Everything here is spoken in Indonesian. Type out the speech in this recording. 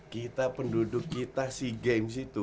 kita penduduk kita sea games itu